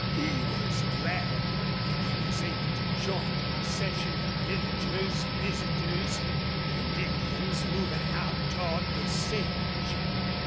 He was glad when he was able to join the procession of villagers, visitors, and Indians moving out toward the sage.